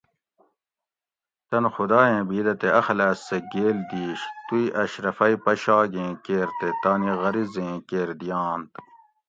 تن خُداۓ ایں بیدہ تے اخلاص سہ گیل دیش تو اِی اشرُفی پشاگ ایں کیر تے تانی غریض ایں کیر دِیانت